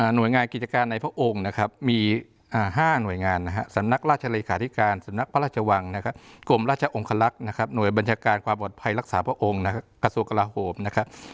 โดยงานกิจการในพระองค์นะครับมี๕หน่วยงานนะฮะสำนักราชเลขาธิการสำนักพระราชวังนะครับกรมราชองคลักษณ์นะครับหน่วยบัญชาการความปลอดภัยรักษาพระองค์นะครับกระทรวงกลาโหมนะครับ